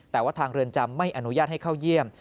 แต่ว่าทางเรือนจำไม่อนุญาตให้เข้าเยี่ยม